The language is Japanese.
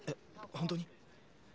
本当に？